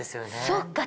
そうか。